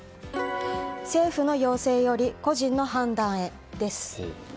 政府の要請より個人の判断へです。